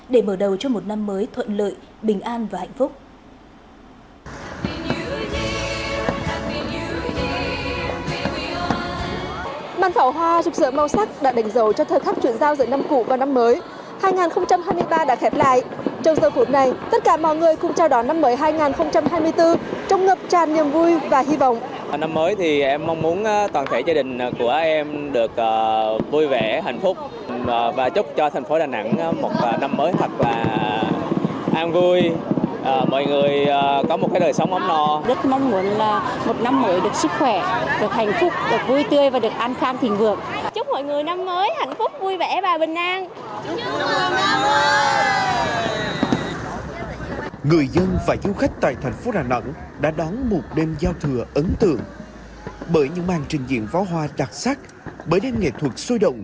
để mở đầu cho một năm mới thuận lợi bình an và hạnh phúc